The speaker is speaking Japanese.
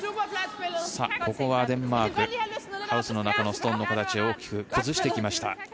ここはデンマークハウスの中のストーンの形を大きく崩してきました。